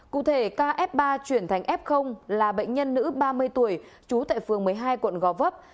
cụ thể ca f ba chuyển thành f là bệnh nhân nữ ba mươi tuổi trú tại phường một mươi hai quận gò vấp